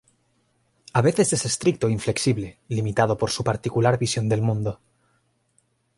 A veces es estricto e inflexible, limitado por su particular visión del mundo.